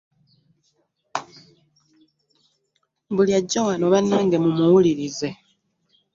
Buli ajja wano bannange mumuwulirize.